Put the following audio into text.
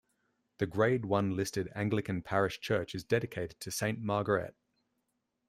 The Grade One listed Anglican parish church is dedicated to Saint Margaret.